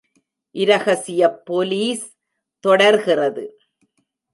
இரகசியப் police தொடர்கிறது.